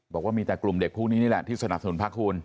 บอกว่ามีแต่กลุ่มเด็กพวกนี้นี่แหละที่สนับสนุนพระคุณ